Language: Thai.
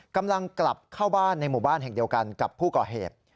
กำลังกลับเข้าบ้านในหมู่บ้านแห่งเดียวกันกับผู้ก่อเหตุ